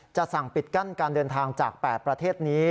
จะสั่งปิดกั้นการเดินทางจาก๘ประเทศนี้